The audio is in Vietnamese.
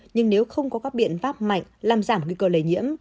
nhưng nếu không có các biện pháp mạnh làm giảm nguy cơ lây nhiễm